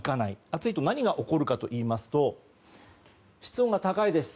暑いと何が起こるかといいますと室温が高いです。